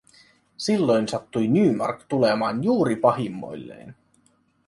Silloin sattui Nymark tulemaan juuri pahimmoilleen.